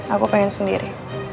aku pengen sendiri